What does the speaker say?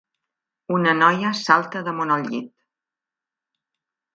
Una noia salta damunt el llit.